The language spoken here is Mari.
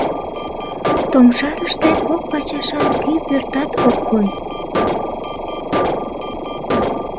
Томшарыште кок пачашан кӱ пӧртат ок кой.